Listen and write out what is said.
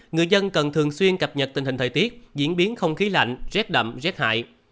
người dân cần thường xuyên cập nhật tình hình thời tiết diễn biến không khí lạnh rét đậm rét hại